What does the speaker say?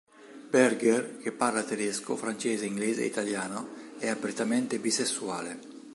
Berger, che parla tedesco, francese, inglese e italiano, è apertamente bisessuale.